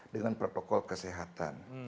dengan protokol kesehatan